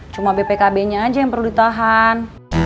cuma bpkb nya aja yang perlu ditahan